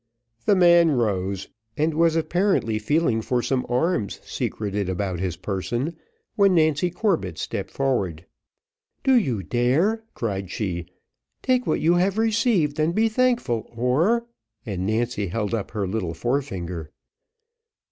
The man rose, and was apparently feeling for some arms secreted about his person, when Nancy Corbett stepped forward. "Do you dare?" cried she; "take what you have received, and be thankful, or " and Nancy held up her little forefinger.